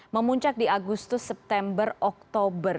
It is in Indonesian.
memuncak di agustus september oktober